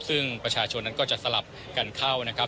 ซึ่งประชาชนนั้นก็จะสลับกันเข้านะครับ